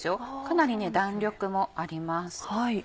かなり弾力もあります。